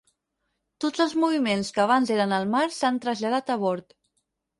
Tots els moviments que abans eren al mar s'han traslladat a bord.